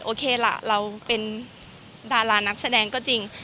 โอเคล่ะเราเป็นดารานักแสดงก็จริง